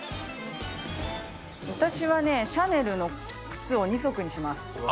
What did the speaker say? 私はね、シャネルの靴を２足２足。